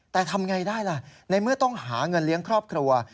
แต่ทำไงได้ล่ะในเมื่อต้องหาเงินเลี้ยงครอบครัว